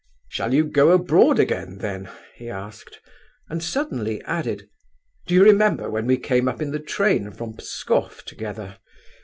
"Shall you go abroad again then?" he asked, and suddenly added, "Do you remember how we came up in the train from Pskoff together?